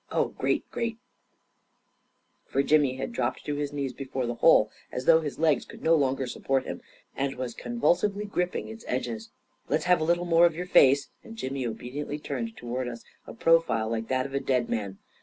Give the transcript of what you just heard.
Oh, great, great I " for Jimmy had dropped to his knees before the hole, as though his legs could no longer support him, and was convulsively gripping its edges. u Let's have a little more of your face !" and Jimmy obediently turned towards us a profile like that of a dead man.